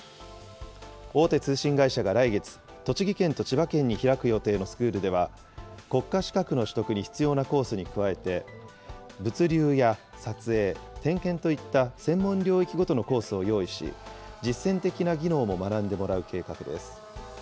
大手通信会社が来月、栃木県と千葉県に開く予定のスクールでは、国家資格の取得に必要なコースに加えて、物流や撮影、点検といった専門領域ごとのコースを用意し、実践的な技能も学んでもらう計画です。